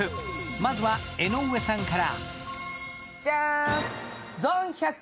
まずは江上さんから。